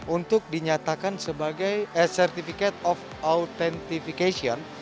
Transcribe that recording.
untuk dinyatakan sebagai certificate of authentification